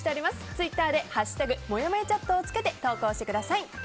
ツイッターで「＃もやもやチャット」をつけて投稿してください。